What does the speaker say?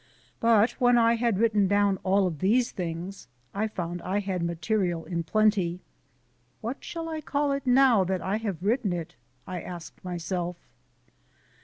But when I had written down all of these things, I found I had material in plenty. "What shall I call it now that I have written it?" I asked myself.